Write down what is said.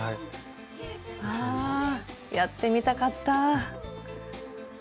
ああやってみたかった！